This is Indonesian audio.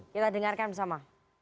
kita dengarkan bersama